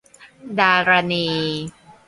ดารณี